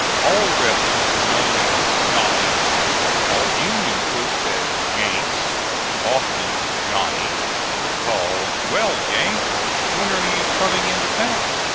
All rebels were known as "Johnnies," all Union troops as "Yanks." Often "Johnny" would call: "Well, Yank, when are you coming into town?"